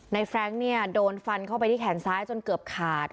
แฟรงค์เนี่ยโดนฟันเข้าไปที่แขนซ้ายจนเกือบขาด